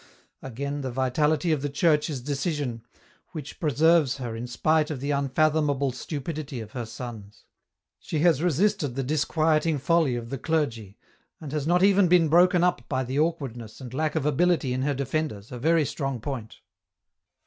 Again, the vitality of the Church is decision, which preserves her in spite of the unfathomable stupidity of her sons. She has resisted the disquieting folly of the clergy, and has not even been broken up by the awkwardness and lack of ability in her defenders, a very strong point.